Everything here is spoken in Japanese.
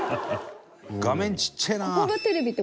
画面ちっちゃいな。